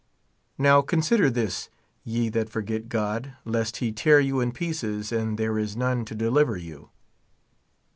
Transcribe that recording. Now consider this, ye that forget God, lest he tare you in pieces, and there is none to deliver you.